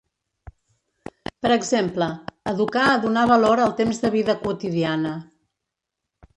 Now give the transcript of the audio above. Per exemple, educar a donar valor al temps de vida quotidiana.